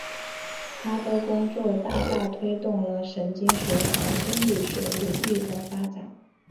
他的工作大大推动了神经学和心理学领域的发展。